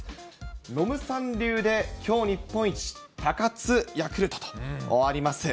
ノムさん流できょう日本一、高津ヤクルトとあります。